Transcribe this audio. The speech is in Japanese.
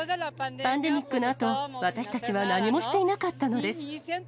パンデミックのあと、私たちは何もしていなかったのです。